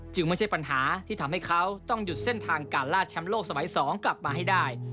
ไม่ใช่ปัญหาที่ทำให้เขาต้องหยุดเส้นทางการล่าแชมป์โลกสมัย๒กลับมาให้ได้